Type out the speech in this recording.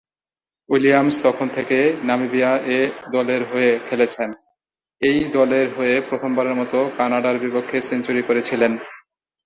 Williams তখন থেকে Namibia এ দলের হয়ে খেলেছেন, এই দলের হয়ে প্রথমবারের মতো কানাডার বিপক্ষে সেঞ্চুরি করেছিলেন।